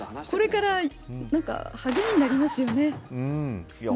これから励みになりますよね。